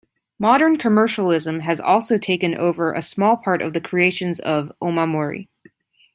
Modern commercialism has also taken over a small part of the creations of "omamori".